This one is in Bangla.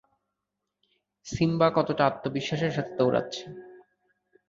সিম্বা কতটা আত্মবিশ্বাসের সাথে দৌড়াচ্ছে!